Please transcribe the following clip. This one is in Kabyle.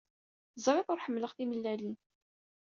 Teẓrid ur ḥemmleɣ timellalin.